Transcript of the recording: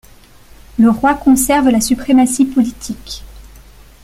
Le roi conserve la suprématie politique.